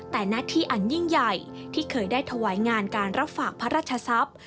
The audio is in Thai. แต่หน้าที่อันยิ่งใหญ่ที่เคยได้ถวายงานการรับฝากพระราชทรัพย์